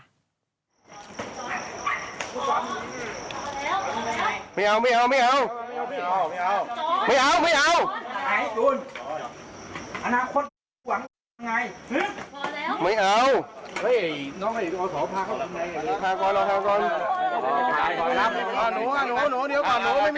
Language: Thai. จ้ะค่ะนะฮะโดยผมรอดซื้อโดยจูนทำอะไรคะ